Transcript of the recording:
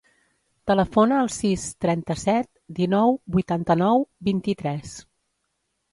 Telefona al sis, trenta-set, dinou, vuitanta-nou, vint-i-tres.